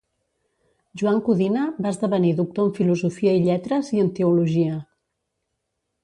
Joan Codina va esdevenir doctor en Filosofia i Lletres i en Teologia.